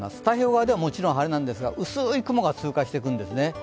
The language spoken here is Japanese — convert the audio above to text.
太平洋側ではもちろん晴れなんですが、薄い雲が通過していくんですね。